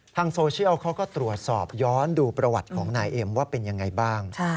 โซเชียลเขาก็ตรวจสอบย้อนดูประวัติของนายเอ็มว่าเป็นยังไงบ้าง